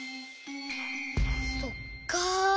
そっか。